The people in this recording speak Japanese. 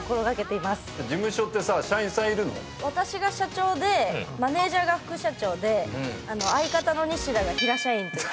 私が社長でマネジャーが副社長で相方のニシダが平社員という。